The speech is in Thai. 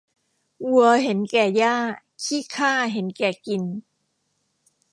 วัวเห็นแก่หญ้า ขี้ข้าเห็นแก่กิน